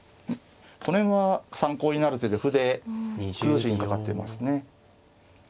この辺は参考になる手で歩で崩しにかかってますね。